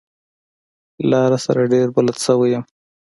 لاره سره ډېر بلد شوی يم.